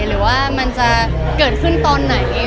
หรือว่ามันจะเกิดขึ้นตอนไหน